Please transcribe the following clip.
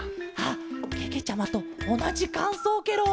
あけけちゃまとおなじかんそうケロ！